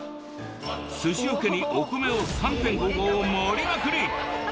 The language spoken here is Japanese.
すしおけにお米を３．５合盛りまくり。